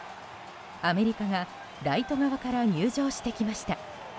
アメリカがライト側から入場してきました。